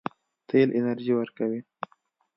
تیل انرژي ورکوي.